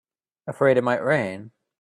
Afraid it might rain?